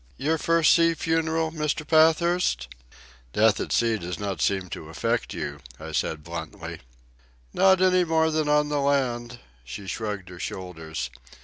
Your first sea funeral, Mr. Pathurst? "Death at sea does not seem to affect you," I said bluntly. "Not any more than on the land." She shrugged her shoulders.